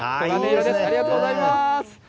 ありがとうございます。